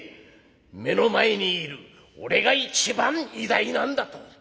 『目の前にいる俺が一番偉大なんだ』と。